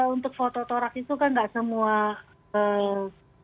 untuk fototoraks itu kan nggak semua